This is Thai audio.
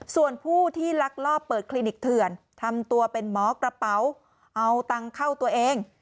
ส่วนผู้ที่ลักลอบเปิดคลินิกเถื่อนทำตัวเป็นหมอกระเป๋าเอาตังค์เข้าตัวเอง